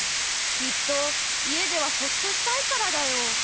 きっと家ではほっとしたいからだよ。